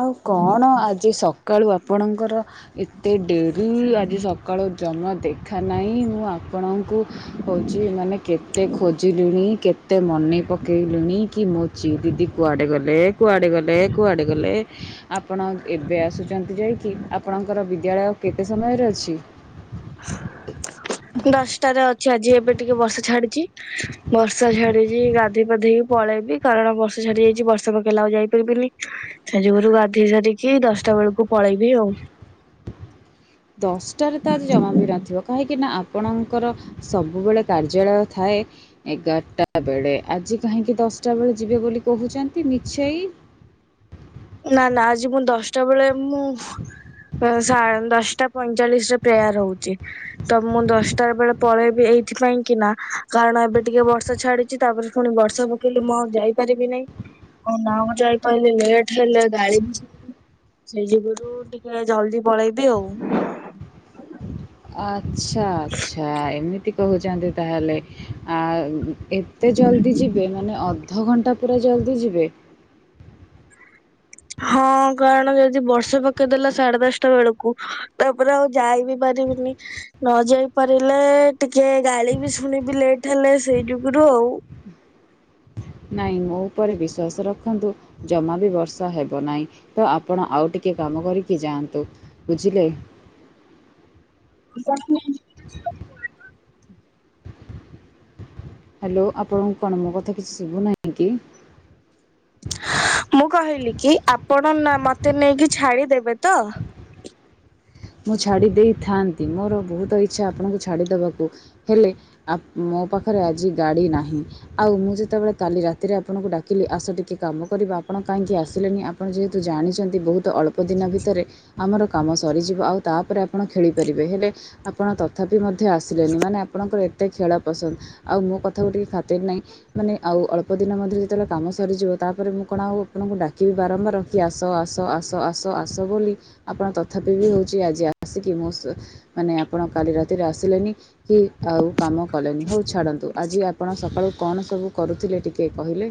ଆଉ କଣ ଆଜି ସକାଳୁ ଆପଣଙ୍କର ଏତେ ଡେରି ଆଜି ସକାଳୁ ଜମା ଦେଖା ନାହିଁ ମୁଁ ଆପଣଙ୍କୁ ହଉଛି ମାନେ କେତେ ଖୋଜିଲୁଣି କେତେ ମନେ ପକେଇଲୁଣି କି ମୋ ଚି ଦିଦି କୁଆଡେ ଗଲେ କୁଆଡେ ଗଲେ କୁଆଡେ ଗଲେ ଆପଣ ଏବେ ଆସୁଛନ୍ତି ଯାଇକି ଆପଣଙ୍କର ବିଦ୍ୟାଳୟ କେତେ ସମୟରେ ଅଛି? ଦଶଟାରେ ଅଛି ଆଜି ଏବେ ଟିକେ ବର୍ଷା ଛାଡିଚି ହ ବର୍ଷା ଝାଡିଛି ଗାଧୋଇ ପାଧେଇକି ପଳେଇବି କାରଣ ବର୍ଷା ଝାଡି ଯାଇଛି ବର୍ଷା ପକେଇଲେ ଆଉ ଯାଇପାରିବିନି ସେଇଯୋଗୁରୁ ଗାଧେଇ ସାରିକି ଦଶଟା ବେଳକୁ ପଳେଇବି ଆଉ ଦଶଟାରେ ତ ଆଜି ଜମା ବି ରା ଥିବ କାହିଁକିନା ଆପଣଙ୍କର ସବୁବେଳେ କାର୍ଯ୍ୟାଳୟ ଥାଏ। ଏଗାରଟା ବେଳେ ଆଜି କାହିଁକି ଦଶଟା ବେଳେ ଯିବେ ବୋଲି କହୁଛନ୍ତି ମିଛେଇ। ନା ନା ଆଜି ମୁଁ ଦଶଟା ବେଳେ ମୁଁ ଦଶଟା ପଇଁଚାଳିଶ ରେ ପ୍ରେୟାର ହଉଛି। ତ ମୁଁ ଦଶଟା ବେଳେ ପଳେଇବି ଏଇଥି ପାଇଁକି ନା କାରଣ ଏବେ ଟିକେ ବର୍ଷା ଛାଡି ତାପରେ ଫୁଣି ବର୍ଷା ପକେଇଲେ ମୁଁ ଆଉ ଯାଇପାରିବି ନାଇଁ ଆଉ ନ ଯାଇପାରିଲେ ଲେଟ ହେଲେ ଗାଳି ବିି ସେଇ ଯୋଗୁରୁ ଟିକେ ଜଲଦି ପଳେଇବି ଆଉ ଆଚ୍ଛା ଆଚ୍ଛା ଏମିତି କହୁଛନ୍ତି ତାହେଲେ ଆ ଏତେ ଜଲ୍ଦି ଯିବେ ମାନେ ଅଧଘଣ୍ଟା ପୁରା ଜଲ୍ଦି ଯିବେ ହଁ କାରଣ ଯଦି ବର୍ଷା ପକେଇ ଦେଲା ସାଢେ ଦଶଟା ବେଳକୁ ତାପରେ ଆଉ ଯାଇ ବିି ପାରିବିନି ନ ଯାଇ ପାରିଲେ ଟିକେ ଗାଳି ବି ଶୁଣିବି ଲେଟ୍ ହେଲେ ସେଇ ଯୋଗୁରୁ ଆଉ ନହିଁ ମୋ ଉପରେ ବିଶ୍ୱସ ରଖନ୍ତୁ ଜମା ବି ବର୍ଷା ହେବ ନାହିଁ ତ ଆପଣ ଆଉ ଟିକେ କାମ କରିକି ଯାଆନ୍ତୁ। ବୁଝିଲେ? [unintelligible] ହାଲୋ ଆପଣଙ୍କୁ କଣ ମୋ କଥା କିଛି ଶୁଭୁନାହିଁ କି? ମୁଁ କହିଲି କି ଆପଣ ନା ମତେ ନେଇକି ଛାଡିଦେବେ ତ? ମୁଁ ଛାଡ଼ି ଦେଇଥାନ୍ତି ମୋର ବହୁତ ଇଚ୍ଛା ଆପଣଙ୍କୁ ଛାଡ଼ିଦବାକୁ ହେଲେ ମୋ ପାଖରେ ଆଜି ଗାଡ଼ି ନାହିଁ। ଆଉ ମୁଁ ଯେତେବେଳେ କାଲି ରାତିରେ ଆପଣଙ୍କୁ ଡାକିଲି ଆସ ଟିକେ କାମ କରିବା ଆପଣ କାହିଁକି ଆସିଲେନି ଆପଣ ଯେହେତୁ ଜାଣିଛନ୍ତି ବହୁତ ଅଳ୍ପ ଦିନ ଭିତରେ ଆମର କାମ ସରିଯିବ। ଆଉ ତାପରେ ଆପଣ ଖେଳିପାରିବେ ହେଲେ ଆପଣ ତଥାପି ମଧ୍ୟ ଆସିଲେନି ମାନେ ଆପଣଙ୍କର ଏତେ ଖେଳ ପସନ୍ଦ। ଆଉ ମୋ କଥାକୁ ଟିକେ ଖାତିର ନାହିଁ। ମାନେ ଆଉ ଅଳ୍ପ ଦିନ ମଧ୍ୟରେ ଯେତେବେଳେ କାମ ସରିଯିବ ତାପରେ ମୁଁ କଣ ଆଉ ଆପଣଙ୍କୁ ଡାକିବି ବାରମ୍ବାର କି ଆସ ଆସ ଆସ ଆସ ଆସ ବୋଲି ଆପଣ ତଥାପି ବି ହେଉଛି ଆଜି ଆସିକି ମୋ ସ ମାନେ ଆପଣ କାଲି ରାତିରେ ଆସିଲେନି। କି ଆଉ କାମ କଲେନି ହଉ ଛାଡ଼ନ୍ତୁ ଆଜି ଆପଣ ସକାଳୁ କଣ ସବୁ କରୁଥିଲେ ଟିକେ କହିଲେ?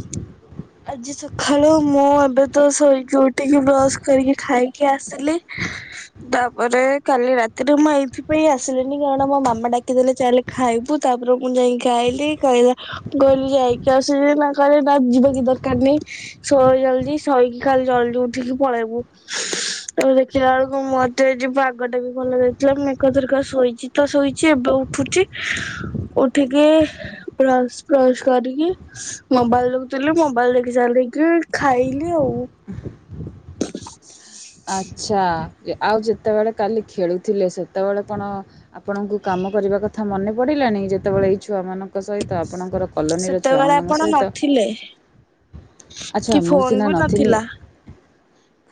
ସିଁ ଆଜି ସକାଳୁ ମୁଁ ଏବେ ତ ଶୋଇକି ଉଠି ଠିକି ବ୍ରସ୍ କରିକି ଖାଇକି ଆସିଲି ତାପରେ କାଲି ରାତିରେ ମୁଁ ଏଇଥିପାଇଁ ଆସିଲିନି କାରଣ ମୋ ମାମା ଡାକିଦେଲେ ଚାଲେ ଖାଇବୁ ତାପରେ ମୁଁ ଯାଇକି ଖାଇଲି। କହିଲା ମୁଁ କହିଲି ଯାଇକି ଅସୁବିଧା ନା କଲେ ନା ଯିବା କି ଦରକାର ନାହିଁ। ଶୋ ଜଲଦି ଶୋଇକି ଖାଲି ଜଲଦି ଉଠିକି ପଳେଇବୁ। ତ ଦେଖିଲା ବେଳକୁ ମତେ ଆଯି ପାଗଟା ବି ଭଲ ଦେଇଥିଲା ମୁଁ ଏକା ଥରେ ଶୋଇଛି ତ ଶୋଇଛି ଏବେ ଉଠୁଚି। ଉଠିକି ବ୍ରସ୍ ଫ୍ରସ୍ କରିକି ମୋବାଇଲ ଦେଖୁଥିଲି ମୋ ମୋବାଇଲ୍ ଦେଖି ସାରିକି ଖାଇଲି ଆଉ ଆଚ୍ଛା ଆଉ ଯେତେବେଳେ କାଲି ଖେଳୁଥିଲେ ସେତେବେଳେ କଣ ଆପଣଙ୍କୁ କାମ କରିବା କଥା ମନେ ପଡିଲାନି ଯେତେବେଳେ ଏଇ ଛୁଆମାନଙ୍କ ସହିତ ଆପଣଙ୍କର କଲୋନୀର ସେତେବେଳେ ଛୁଆମାନଙ୍କ ଆପଣ ସହିତ ନଥିଲେ ଆଚ୍ଛା କି ମୁଁ ଫୋନ ସିନା ବି ନଥିଲି ନଥିଲା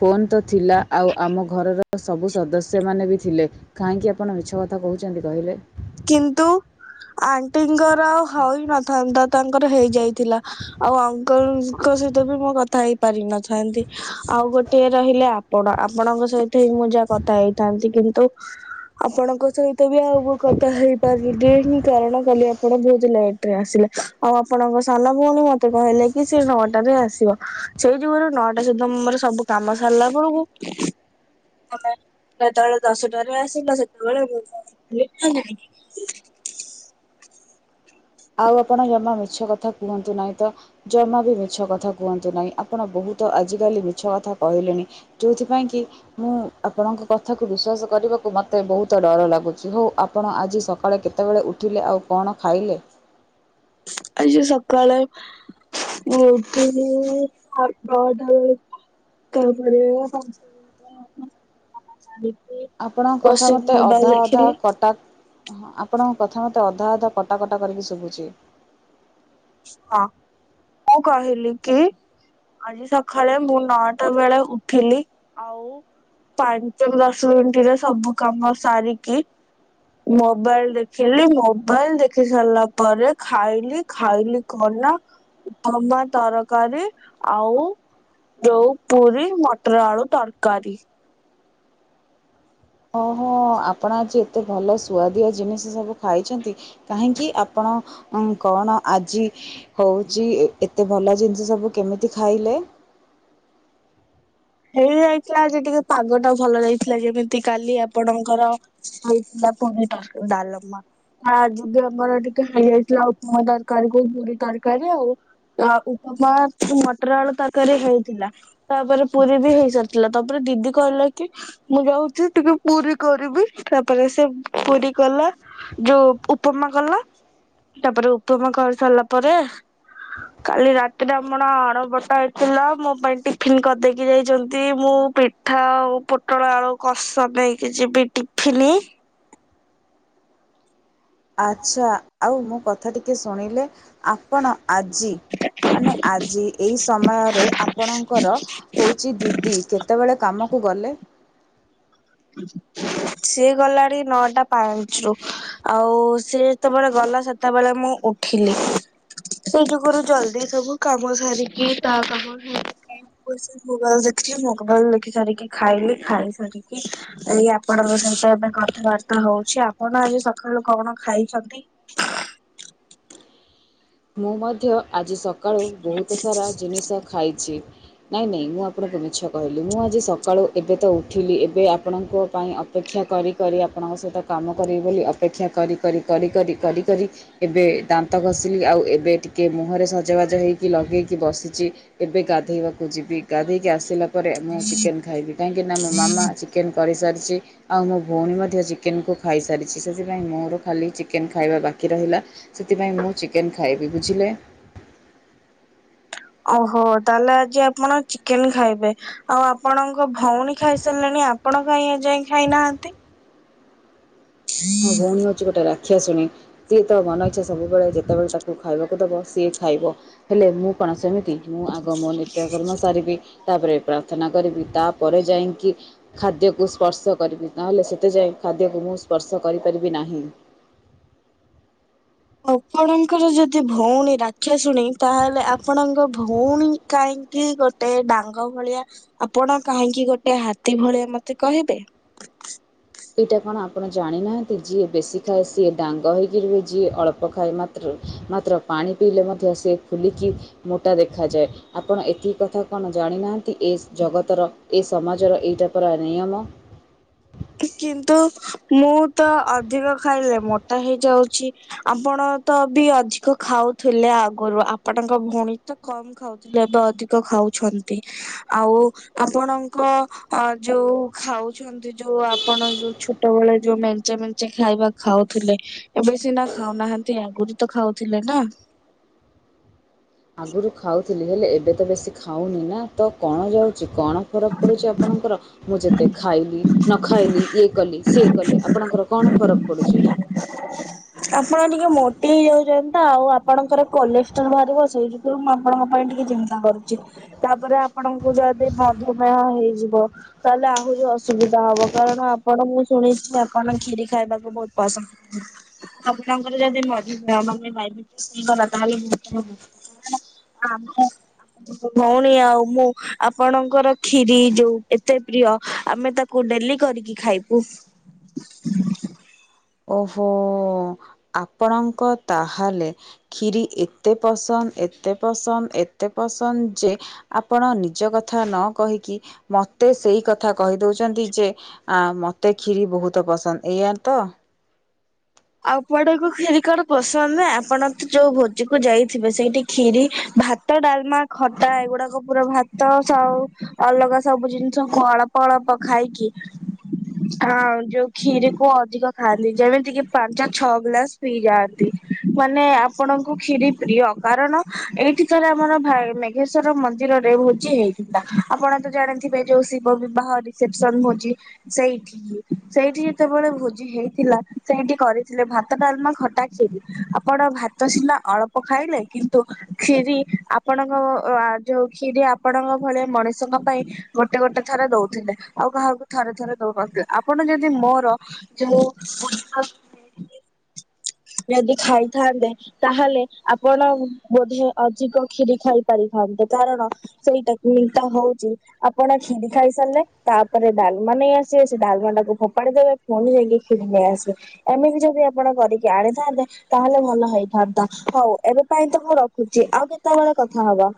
ଫୋନ ତ ଥିଲା ଆଉ ଆମ ଘରର ସବୁ ସଦସ୍ୟମାନେ ବି ଥିଲେ। କାହିଁକି ଆପଣ ମିଛ କଥା କହୁଛନ୍ତି କହିଲେ? କିନ୍ତୁ ଆଣ୍ଟିଙ୍କର ହଇ ନଥାନ୍ତା ତାଙ୍କର ହେଇଯାଇଥିଲା। ଆଉ ଅଙ୍କଲଙ୍କ ସହିତ ବି ମୁଁ କଥା ହେଇ ପାରିନଥାନ୍ତି ଆଉ ଗୋଟେ ରହିଲା ଆପଣ ଆପଣଙ୍କ ସହିତ ହିଁ ମୁଁ ଯାହା କଥା ହେଇଥାନ୍ତି କିନ୍ତୁ ଆପଣଙ୍କ ସହିତ ବି ଆଉ ତ ହେଇପାରିଲିନି ଏହିଁ କାରଣ କାଲି ଆପ ଆପଣ ଯେହେତୁ ଲେଟରେ ଆସିଲେ ଆଉ ଆପଣଙ୍କ ସାନ ଭଉଣୀ ମତେ କହିଲେ କି ସେ ନଅଟାରେ ଆସିବ। ସେଇ ଜୁଗରୁ ନଅଟା ସୁଦ୍ଧା ମୋର ସବୁ କାମ ସାରିଲା ବଳକୁ ତମେ ଯେତେବେଳେ ଦଶଟାରେ ଆସିଲ ସେତେବେଳେ ମୁଁ ସୁଁ ଆଉ ଆପଣ ଜମା ମିଛ କଥା କୁହନ୍ତୁ ନାହିଁ ତ। ଜମା ବି ମିଛ କଥା କୁହନ୍ତୁ ନାଇଁ ଆପଣ ବହୁତ ଆଜି କାଲି ମିଛ କଥା କହିଲେଣି। ଯୋଉଥିପାଇଁ କି ମୁଁ ଆପଣଙ୍କ କଥାକୁ ବିଶ୍ଵାସ କରିବାକୁ ମତେ ବହୁତ ଡର ଲାଗୁଛି ହଉ ଆପଣ ଆଜି ସକାଳେ କେତେବେଳେ ଉଠିଲେ ଆଉ କଣ ଖାଇଲେ? ଆଜି ସକାଳେ ମୁଁ ଇଡ଼ିଲି ଭାତ ଡାଲି କ ପଡିବ [inaudible] ଆପଣଙ୍କ କଥା ମତେ ଅଧା ଅଧା କଟା ହଁ ଆପଣଙ୍କ କଥା ମୋତେ ଅଧା ଅଧା କଟା କଟା କରିକି ଶୁଭୁଛି। ହଁ ମୁଁ କହିଲି କି ଆଜି ସଖାଳେ ମୁଁ ନଅଟା ବେଳେ ଉଠିଲି ଆଉ ପାଞ୍ଚରୁ ଦଶ ମିନିଟରେ ସବୁ କାମ ସାରିକି ମୋବାଇଲ ଦେଖିଲି ମୋବାଇଲ ଦେଖି ସାରିଲା ପରେ ଖାଇଲି ଖାଇଲି କଣନା ଉପମା ତରକାରୀ ଆଉ ଯୋଉ ପୁରୀ ମଟର ଆଳୁ ତରକାରୀ। ଓହୋ ଆପଣ ଆଜି ଏତେ ଭଲ ସୁଆଦିଆ ଜିନିଷ ସବୁ ଖାଇଛନ୍ତି। କାହିଁକି ଆପଣ କଣ ଆଜି ହଉଛି ଏତେ ଭଲ ଜିନିଷ ସବୁ କେମିତି ଖାଇଲେ? ହେଇଯାଇଥିଲା ଆଜି ଟିକେ ପାଗଟା ଭଲ ଯାଇଥିଲା ଯେମିତି କାଲି ଆପଣଙ୍କର ହେଇଥିଲା ପୁରି ତରକାରି ଡାଲମା। ଆ ଆଜି ବି ଆମର ଟିକେ ହେଇଯାଇଥିଲା ଆଉ ଉପମା ତରକାରୀ କୁ ପୁରୀ ତରକାରୀ ଆଉ। ଆ ଉପମାକୁ ମଟର ଆଳୁ ତରକାରୀ ହେଇଥିଲା ତାପରେ ପୁରୀବି ହେଇସାରିଥିଲା ତାପରେ ଦିଦି କହିଲା କି ମୁଁ ଯାଉଛି ଟିକେ ପୁରୀ କରିବି ତାପରେ ସେ ପୁରୀ କଲା ଯଉ ଉପମା କଲା ତାପରେ ଉପମା କରି ସାରିଲା ପରେ କାଲି ରାତିରେ ଆପଣ ଆଣବଟା ହେଇଥିଲା ମୋ ପାଇଁ ଟିଫନ୍ କରିଦେଇକି ଯାଇଛନ୍ତି ମୁଁ ପିଠା ଆଉ ପୋଟଳ ଆଳୁ କଷା ନେଇକି ଯିବି ଟିଫନ୍। ଆଚ୍ଛା ଆଉ ମୁଁ କଥା ଟିକେ ଶୁଣିଲେ ଆପଣ ଆଜି ମାନେ ଆଜି ଏଇ ସମୟରେ ଆପଣଙ୍କର? ହଉଚି ଦିଦି କେତେବେଳେ କାମକୁ ଗଲେ? ସିଏ ଗଲାଣି ନଅଟା ପାଞ୍ଚ ରୁ। ଆଉ ସିଏ ଯେତେବେଳେ ଗଲା ସେତେବେଳେ ମୁଁ ଉଠିଲି। ସେଇ ଯୁଗରୁ ଜଲଦି ସବୁ କାମ ସାରିକି ତା କାମ ହେଇ ମୁଁ ଆସିକି ମୋବାଇଲ ଦେଖିଲି ମୋବାଇଲ ଦେଖି ସାରିକି ଖାଇଲି ଖାଇ ସାରିକି ଏଇ ଆପଣଙ୍କ ସହିତ ଏବେ କଥାବାର୍ତ୍ତା ହଉଛି ଆପଣ ଆଜି ସକାଳୁ କଣ ଖାଇଛନ୍ତି? ମୁଁ ମଧ୍ୟ ଆଜି ସକାଳୁ ବହୁତ ସାରା ଜିନିଷ ଖାଇଛି। ନାଇଁ ନାଇଁ ମୁଁ ଆପଣଙ୍କୁ ମିଛ କହିଲି ମୁଁ ଆଜି ସକାଳୁ ଏବେ ତ ଉଠିଲି ଏବେ ଆପଣଙ୍କ ପାଇଁ ଅ ଅପେକ୍ଷା କରି କରି ଆପଣଙ୍କ ସହିତ କାମ କରିବି ବୋଲି ଅପେକ୍ଷା କରି କରି କରି କରି କରି କରି ଏବେ ଦାନ୍ତ ଘଷିଲି ଆଉ ଏବେ ଟିକେ ମୁହଁରେ ସଜବାଜ ହେଇକି ଲଗେଇକି ବସିଚି। ଏବେ ଗାଧେଇବାକୁ ଯିବି ଗାଧେଇକି ଆସିଲା ପରେ ମୁଁ ଚିକେନ ଖାଇବି। କାହିଁକିନା ମୋ ମାମା ଚିକେନ କରିସାରିଚି। ଆଉ ମୋ ଭଉଣୀ ମଧ୍ୟ ଚିକେନକୁ ଖାଇସାରିଚି ସେଥିପାଇଁ ମୋର ଖାଲି ଚିକେନ ଖାଇବା ବାକି ରହିଲା। ସେଥିପାଇଁ ମୁଁ ଚିକେନ ଖାଇବି ବୁଝିଲେ? ଓହୋ ତାହେଲେ ଆଜି ଆପଣ ଚିକେନ ଖାଇବେ? ଆଉ ଆପଣଙ୍କ ଭଉଣୀ ଖାଇସାରିଲେଣି ଆପଣ କାହିଁ ଏଯାଏଁ ଖାଇନାହାନ୍ତି? [unintelligible] ମୋ ଭଉଣୀ ହଉଚି ଗୋଟେ ରାକ୍ଷାଶୁଣି। ସିଏ ତ ମନ ଇଚ୍ଛା ସବୁବେଳେ ଯେତେବେଳେ ତାକୁ ଖାଇବାକୁ ଦବ ସିଏ ଖାଇବ। ହେଲେ ମୁଁ କଣ ସେମିତି ମୁଁ ଆଗ ମୋ ନିତ୍ୟ କର୍ମ ସାରିବି। ତାପରେ ପ୍ରାର୍ଥନା କରିବି ତାପରେ ଯାଇଁକି ଖାଦ୍ୟକୁ ସ୍ପର୍ଶ କରିବି ନହେଲେ ସେତେ ଯାଏଁ ଖାଦ୍ୟକୁ ମୁଁ ସ୍ପର୍ଶ କରିପାରିବି ନାହିଁ। ଆପଣଙ୍କର ଯଦି ଭଉଣୀ ରାକ୍ଷାଶୁଣି ତାହେଲେ ଆପଣଙ୍କ ଭଉଣୀ କାହିଁକି ଗୋଟେ ଡାଙ୍ଗ ଭଳିଆ ଆପଣ କାହିଁକି ଗୋଟେ ହାତୀ ଭଳିଆ ମତେ କହିବେ? ଏଇଟା କଣ ଆପଣ ଜାଣିନାହାନ୍ତି ଯିଏ ବେଶୀ ଖାଏ ସିଏ ଡାଙ୍ଗ ହେଇକି ରୁହେ ଯିଏ ଅଳ୍ପ ଖାଏ ମା ତୃ ମାତ୍ର ପାଣି ପିଇଲେ ମଧ୍ୟ ସେ ଫୁଲିକି ମୋଟା ଦେଖାଯାଏ। ଆପଣ ଏତିକି କଥା କଣ ଜାଣିନାହାନ୍ତି ଏ ଜଗତର ଏ ସମାଜର ଏଇଟା ପରା ନିୟମ। କିନ୍ତୁ ମୁଁ ତ ଅଧିକ ଖାଇଲେ ମୋଟା ହେଇଯାଉଚି। ଆପଣ ତ ବି ଅଧିକ ଖାଉଥିଲେ ଆଗରୁ ଆପଣଙ୍କ ଭଉଣୀ ତ କମ ଖାଉଥିଲେ ଏବେ ଅଧିକ ଖାଉଛନ୍ତି। ଆଉ ଆପଣଙ୍କ ଅ ଯୋଉ ଖାଉଛନ୍ତି? ଯୋଉ ଆପଣ ଯୋଉ ଛୋଟବେଳେ ଯୋଉ ମେଞ୍ଚ ମେଞ୍ଚ ଖାଇବା ଖାଉଥିଲେ। ଏବେ ସିନା ଖାଉନାହାନ୍ତି ଆଗରୁ ତ ଖାଉଥିଲେ ନା? ଆଗରୁ ଖାଉଥିଲି ହେଲେ ଏବେ ତ ବେଶୀ ଖାଉନି ନା ତ କଣ ଯାଉ କଣ ଫରକ ପଡ଼ୁଛି ଆପଣଙ୍କର ମୁଁ ଯେତେ ଖାଇଲି ନ ଖାଇଲି ଇଏ କଲି ସିଏ କଲେ ଆପଣଙ୍କର କଣ ଫରକ ପଡ଼ୁଚି? ଆପଣ ଟିକେ ମୋଟି ହେଇଯାଉଚନ୍ତିନା ଆଉ ଆପଣଙ୍କର କୋଲେଷ୍ଟ୍ରୋଲ ବାହାରିବ ସେଇଥିପାଇଁ ମୁଁ ଆପଣଙ୍କ ପାଇଁ ଟିକେ ଚିନ୍ତ ନ୍ତା କରୁଚି ତାପରେ ଆପଣଙ୍କୁ ଯଦି ମଧୁମେହ ହେଇଯିବ? ତାହେଲେ ଆହୁରି ଅସୁବିଧା ହବ କାରଣ ଆପଣ ମୁଁ ଶୁଣିଚି ଆପଣ କ୍ଷୀରି ଖାଇବାକୁ ବହୁତ ପସନ୍ଦ କର ଆପଣଙ୍କର ଯଦି ମ ମଧୁମୟ ମାନେ ଡାଇବେଟିସ୍ ହେଇଗଲା ତାହେଲେ ବହୁତ [unintelligible] ମୋ ଭଉଣୀ ଆଉ ମୁଁ ଆପଣଙ୍କର ଖିରୀ ଯୋଉ ଏତେ ପ୍ରିୟ ଆମେ ତାକୁ କୁ ଡେଲି କରିକି ଖାଇବୁ। ଓହୋ ଆପଣଙ୍କ ତାହେଲେ ଖିରି ଏତେ ପସନ୍ଦ ଏତେ ପସନ୍ଦ ଏତେ ପସନ୍ଦ ଯେ ଆପଣ ନିଜ କଥା ନ କହିକି ମତେ ସେଇ କଥା କହିଦଉଚନ୍ତି ଯେ ଆ ମତେ କ୍ଷିରି ବହୁତ ପସନ୍ଦ ଏଇଆତ। ଆଉ କୁଆଡେକୁ କ୍ଷିରି କାହାର ପସନ୍ଦ ନା ଆପଣ ତ ଯୋଉ ଭୋଜିକୁ ଯାଇଥିବେ ସେଇଠି ଖିରି ଭା ତ ଡାଲମା ଖଟା ଏଗୁଡାକ ପୁରା ଭାତ ସଉ ଅଲଗା ସବୁ ଜିନିଷ ଫଳ ଅଳପ ଖାଇକି ହଁ ହଁ ଯୋଉ କ୍ଷୀର କୁ ଅଧିକ ଖାଆନ୍ତି ଯେମିତି କିି ପାଞ୍ଚ ଛଅ ଗ୍ଲାସ ପିଇଯାଆନ୍ତି ମାନେ ଆପଣଙ୍କୁ ଖିରି ପ୍ରିୟ କାରଣ ଏଇଠି ଥରେ ଆମର ଭା ମେଘେଶ୍ଵର ମନ୍ଦିରରେ ଭୋଜି ହେଇଥିଲା ଆପଣ ତ ଜାଣି ଥିବେ ଯୋଉ ଶିବ ବିବାହ ରିସେପସନ ହଉଛି। ସେଇଠି ସେଇଠି ଯେତେବେଳେ ଭୋଜି ହେଇଥିଲା ସେଇଠି କରିଥିଲେ ଭାତ ଡାଲମା ଖଟା ଖିରି ଆପଣ ଭାତ ସିିନା ଅଳପ ଖାଇଲେ କିନ୍ ତ ଖିରି ଆପଣଙ୍କ ଅ ଯୋଉ ଖିରି ଆପଣଙ୍କ ଭଳିଆ ମଣିଷଙ୍କ ପାଇଁ ଗୋଟେ ଗୋଟେ ଥରେ ଦଉଥିଲେ ଆଉ କାହାକୁ ଥରେ ଥରେ ଦଉନଥିଲେ। ଆପଣ ଯଦି ମୋର ଯଉ [unintelligible] ଯଦି ଖାଇଥାନ୍ତେ। ତାହେଲେ ଆପଣ ବୋଧେ ଅଧିକ କ୍ଷିରି ଖାଇ ପାରିଥାନ୍ତେ। କାରଣ ସେଇଟାକୁ ଇଟା ହଉଛି। ଆପଣ କ୍ଷିରି ଖାଇ ସାରିଲେ ତାପରେ ଡାଲମା ନେଇ ଆସିବେ ସେ ଡାଲମା ଟାକୁ ଫୋପାଡି ଦେବେ। ପୁଣି ଯାଇକି କ୍ଷୀରି ନେଇ ଆସିବେ ଏମିତି ଯଦି ଆପଣ କରିକି ଆଣିଥାନ୍ତେ ତାହେଲେ ଭଲ ହେଇଥାନ୍ତା ହଉ ଏବେ ପାଇଁ ତ ମୁଁ ରଖୁଛି ଆଉ କେତେବେଳେ କଥା ହବା।